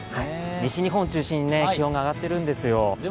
西日本を中心に気温が上がっているんですよ。